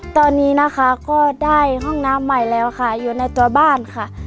ตอนนี้นะคะก็ได้ห้องน้ำใหม่แล้วค่ะอยู่ในตัวบ้านค่ะ